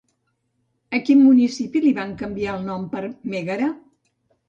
A quin municipi li van canviar el nom per Mègara?